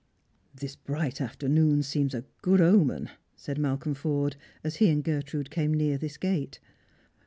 " This bright afternoon seems a good omen," said Malcolm Porde, as he and Gertrude came near this gate.